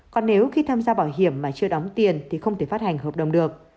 còn nếu khi tham gia bảo hiểm mà chưa đóng tiền thì không thể phát hành hợp đồng được